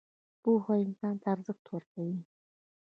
پوهه انسان ته څه ارزښت ورکوي؟